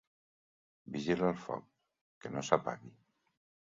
Vigila el foc, que no s'apagui.